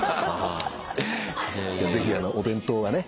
ぜひお弁当はね